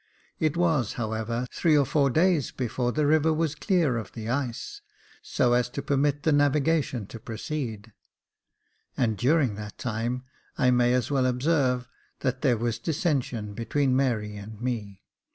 It was, however, three or four days before the river was clear of the ice, so as to permit the navigation to proceed ; and during that time, I may as well observe, that there was dissension between Mary and me.